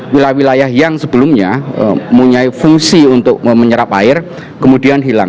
wilayah wilayah yang sebelumnya punya fungsi untuk menyerap air kemudian hilang